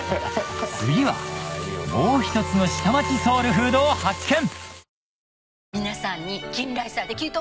次はもう一つの下町ソウルフードを発見！